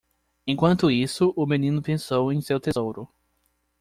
Enquanto isso, o menino pensou em seu tesouro.